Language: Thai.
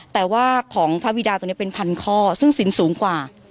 แต่ว่าของพระบิดาตัวนี้เป็นพันข้อซึ่งสินสูงกว่า